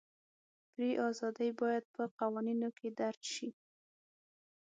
فري ازادۍ باید په قوانینو کې درج شي.